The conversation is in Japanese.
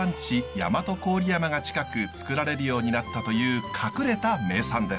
大和郡山が近くつくられるようになったという隠れた名産です。